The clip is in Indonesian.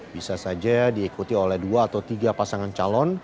bisa saja diikuti oleh dua atau tiga pasangan calon